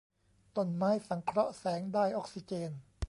ต้นไม้สังเคราะห์แสงได้ออกซิเจน